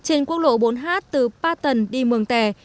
trên quốc lộ bốn h từ ba tần đi mường tè